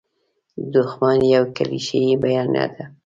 دوښمن یوه کلیشیي بیانیه ده.